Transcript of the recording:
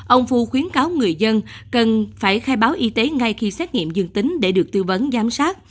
ông phu khuyến cáo người dân cần phải khai báo y tế ngay khi xét nghiệm dương tính để được tư vấn giám sát